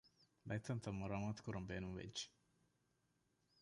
ބައެއް ތަންތަން މަރާމާތުކުރަން ބޭނުންވެއްޖެ